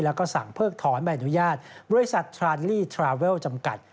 แล้วก็สั่งเพิกถอนใบอนุญาตบริษัททรานลี่ทราเวลจำกัด